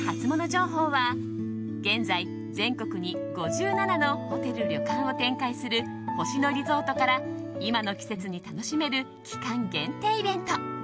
情報は現在、全国に５７のホテル・旅館を展開する星野リゾートから今の季節に楽しめる期間限定イベント。